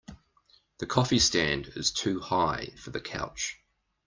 The coffee stand is too high for the couch.